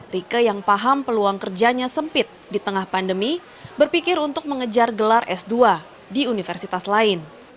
rike yang paham peluang kerjanya sempit di tengah pandemi berpikir untuk mengejar gelar s dua di universitas lain